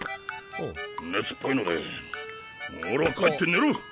熱っぽいので俺は帰って寝る。